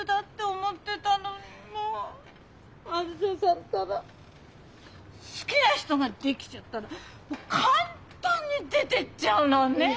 ったら好きな人ができちゃったらもう簡単に出てっちゃうのねえ。